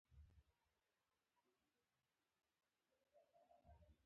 صرف د خوند د پاره خوري